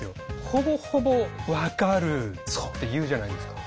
ほぼほぼ分かるって言うじゃないですか。